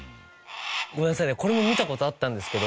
ごめんなさいねこれも見た事あったんですけど。